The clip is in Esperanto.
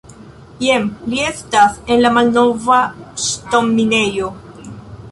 Jen li estas, en la malnova, ŝtonminejo.